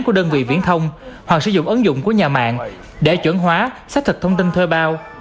của đơn vị viễn thông hoặc sử dụng ứng dụng của nhà mạng để chuẩn hóa xác thực thông tin thuê bao